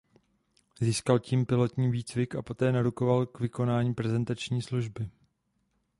Získal tím pilotní výcvik a poté narukoval k vykonání prezenční služby.